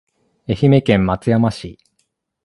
愛媛県松山市